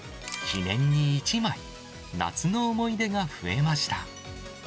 記念に一枚、夏の思い出が増えました。